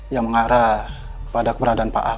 yang mengarah kepada keberadaan pak ahok